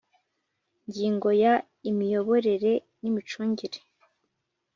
ngingo ya Imiyoborere n imicungire